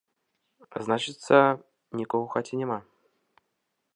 Значыцца, нікога ў хаце няма.